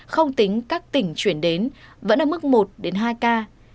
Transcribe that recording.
không tính các tỉnh chuyển đến vẫn ở mức một hai ca